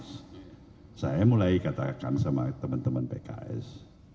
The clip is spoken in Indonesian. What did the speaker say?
saya mulai katakan sama teman teman pks